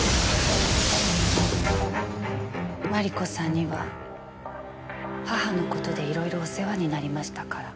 麻理子さんには母の事で色々お世話になりましたから。